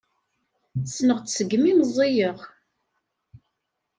Ssneɣ-tt segmi meẓẓiyeɣ.